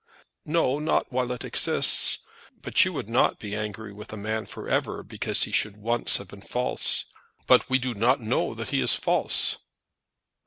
"No, not while it exists. But you would not be angry with a man for ever, because he should once have been false? But we do not know that he is false."